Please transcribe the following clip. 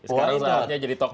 sekarang saatnya jadi tokoh